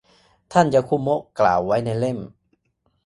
ท่านยาคุโมะกล่าวไว้ในเล่ม